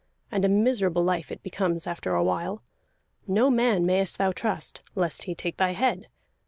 And a miserable life it becomes after a while. No man mayest thou trust, lest he take thy head.